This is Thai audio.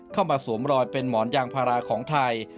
สวมรอยเป็นหมอนยางพาราของไทย